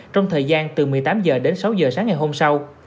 trong thời gian từ một mươi tám h đến sáu h sáng ngày hôm sau